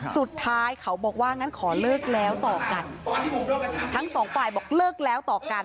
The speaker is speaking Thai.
สุดท้ายเขาบอกว่างั้นขอเลิกแล้วต่อกันทั้งสองฝ่ายบอกเลิกแล้วต่อกัน